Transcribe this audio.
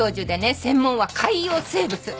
専門は海洋生物。